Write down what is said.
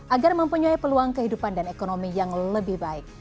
agar mempunyai peluang kehidupan dan ekonomi yang lebih baik